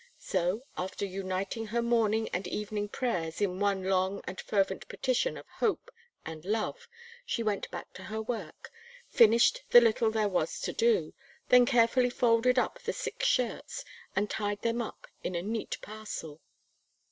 So, after uniting her morning and evening prayers in one long and fervent petition of Hope and Love, she went back to her work, finished the little there was to do, then carefully folded up the six shirts, and tied them up in a neat parcel.